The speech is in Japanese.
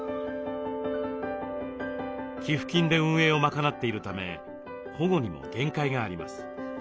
寄付金で運営を賄っているため保護にも限界があります。